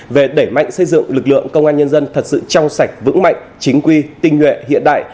về đẩy mạnh xây dựng lực lượng công an nhân dân thật sự trong sạch vững mạnh chính quy tinh nguyện hiện đại